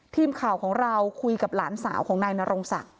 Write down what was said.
ทีมข่าวของเราคุยกับหลานสาวของนายนรงศักดิ